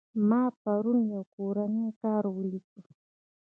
ما پرون يو کورنى کار وليکى.